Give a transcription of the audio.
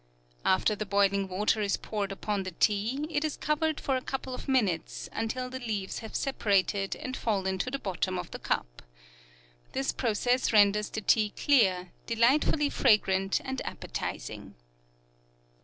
After the boiling water is poured upon the tea, it is covered for a couple of minutes, until the leaves have separated and fallen to the bottom of the cup. This process renders the tea clear, delightfully fragrant, and appetizing.